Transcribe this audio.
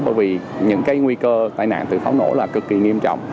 bởi vì những cái nguy cơ tai nạn từ pháo nổ là cực kỳ nghiêm trọng